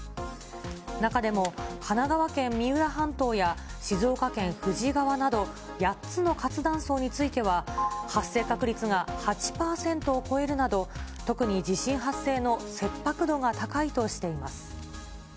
中でも神奈川県三浦半島や、静岡県富士川など、８つの活断層については、発生確率が８％を超えるなど、特に地震発生の切迫度が高いとしています。